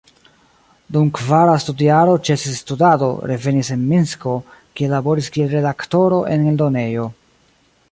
Dum kvara studjaro ĉesis studado, revenis en Minsko, kie laboris kiel redaktoro en eldonejo.